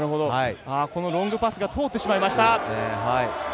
このロングパスが通ってしまいました。